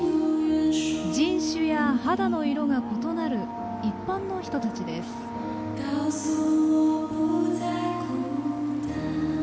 人種や肌の色が異なる一般の人たちです。